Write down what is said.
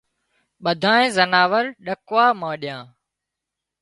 ٻڌانئي زناور ڏڪوا مانڏيا